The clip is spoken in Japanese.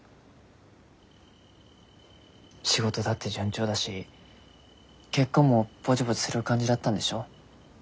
仕事だって順調だし結婚もぼちぼちする感じだったんでしょ？